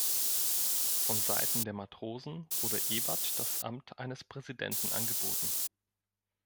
Von Seiten der Matrosen wurde Ebert das Amt eines Präsidenten angeboten.